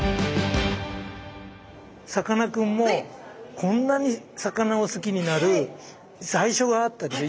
さかなクンもこんなに魚を好きになる最初があったでしょ